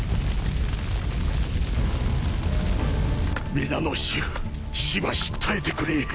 皆の衆しばし耐えてくれ。